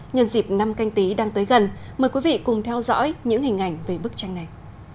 nhân dịp năm canh tí đang tới gần mời quý vị cùng theo dõi những hình ảnh về bức tranh này